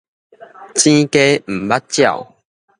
茈雞毋捌鳥